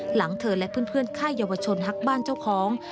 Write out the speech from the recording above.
หลังเธอและเพื่อนค่ายเยาวชนฮักบ้านเจ้าของ